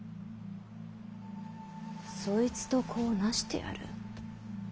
そいつと子をなしてやる。